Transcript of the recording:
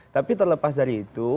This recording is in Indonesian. tapi terlepas dari itu